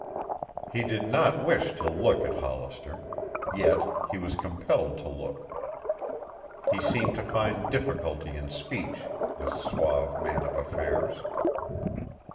He did not wish to look at Hollister. Yet he was compelled to look. He seemed to find difficulty in speech, this suave man of affairs.